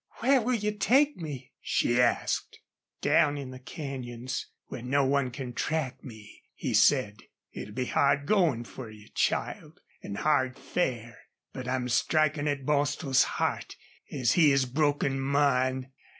"Where will you take me?" she asked. "Down in the canyons, where no one can track me," he said. "It'll be hard goin' fer you, child, an' hard fare.... But I'm strikin' at Bostil's heart as he has broken mine.